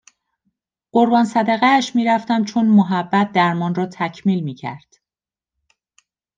قربان صدقهاش میرفتم چون محبت درمان را تکمیل میکرد